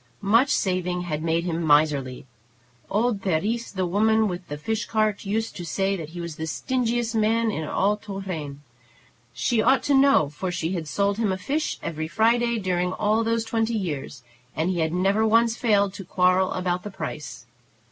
Much saving had made him miserly. Old Therese, the woman with the fish cart, used to say that he was the stingiest man in all Tourraine. She ought to know, for she had sold him a fish every Friday during all those twenty years, and he had never once failed to quarrel about the price.